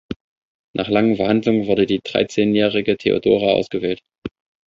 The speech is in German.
Nach langen Verhandlungen wurde die dreizehnjährige Theodora ausgewählt.